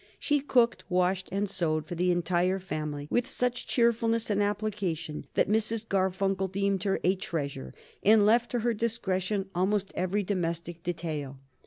She cooked, washed and sewed for the entire family with such cheerfulness and application that Mrs. Garfunkel deemed her a treasure and left to her discretion almost every domestic detail.